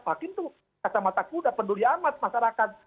hakim tuh kacamata kuda penduli amat masyarakat